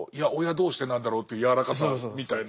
どうしてなんだろうというやわらかさみたいな。